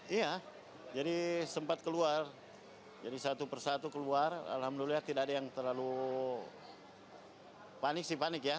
iya jadi sempat keluar jadi satu persatu keluar alhamdulillah tidak ada yang terlalu panik sih panik ya